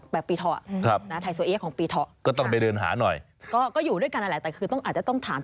เพราะว่ามีครบเลยทั้ง๖๐องค์